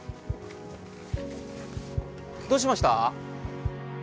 どうしました？